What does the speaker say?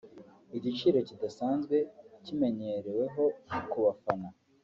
igiciro kidasanzwe kimenyerewe ku bafana